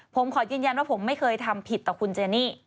ผมขอยืนยันว่าผมไม่เคยทำผิดต่อคุณเจนี่